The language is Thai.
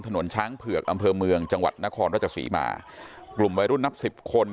ถนนช้างเผือกอำเภอเมืองจังหวัดนครราชศรีมากลุ่มวัยรุ่นนับสิบคน